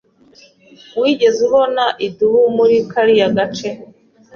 Wigeze ubona idubu muri kariya gace?